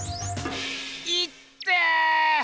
いってぇ！